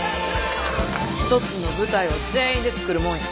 一つの舞台は全員で作るもんや。